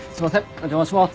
お邪魔します。